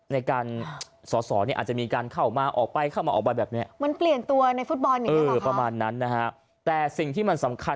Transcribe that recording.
ในการสอสอเนี่ยอาจจะมีการเข้ามาออกไปเข้ามาออกไปแบบนี้มันเปลี่ยนตัวในฟุตบอลอย่างนี้ประมาณนั้นนะฮะแต่สิ่งที่มันสำคัญ